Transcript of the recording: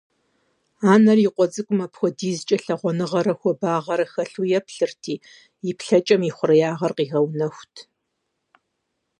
Анэр и къуэ цӏыкӏум апхуэдизкӀэ лъагъуныгъэрэ хуабагъэрэ хэлъу еплъырти, и плъэкӏэм ихъуреягъыр къигъэнэхурт.